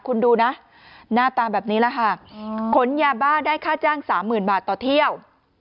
คุณดูนะหน้าตาแบบนี้แหละค่ะขนยาบ้าได้ค่าจ้างสามหมื่นบาทต่อเที่ยว